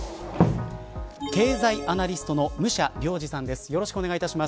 経済アナリストの武者陵司さんです。